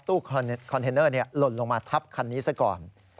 คอนเทนเนอร์หล่นลงมาทับคันนี้ซะก่อน